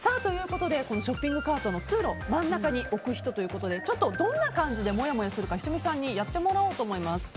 このショッピングカートを通路真ん中に置く人ということでどんな感じでもやもやするか仁美さんにやってもらおうと思います。